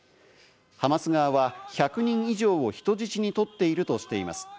ハマス側は１００人以上を人質にとっているとしています。